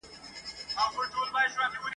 نه د بل په عقل پوهه کومکونو ..